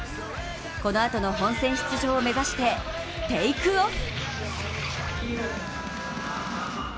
このあとの本戦出場を目指してテイクオフ。